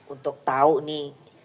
untuk tahu nih